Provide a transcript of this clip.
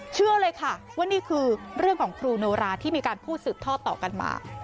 เชื่อเลยค่ะว่านี่คือเรื่องของครูโนราที่มีการพูดสืบทอดต่อกันมา